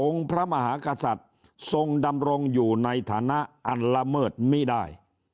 พระมหากษัตริย์ทรงดำรงอยู่ในฐานะอันละเมิดไม่ได้